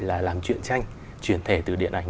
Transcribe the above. là làm chuyện tranh chuyện thể từ điện ảnh